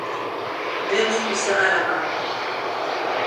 Denis lui serra la main.